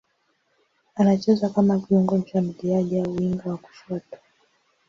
Anacheza kama kiungo mshambuliaji au winga wa kushoto.